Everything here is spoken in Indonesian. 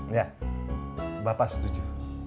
iya bapak setuju